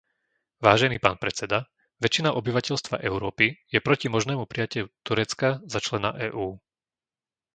Vážený pán predseda, väčšina obyvateľstva Európy je proti možnému prijatiu Turecka za člena EÚ.